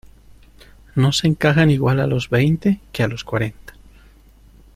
no se encajan igual a los veinte que a los cuarenta.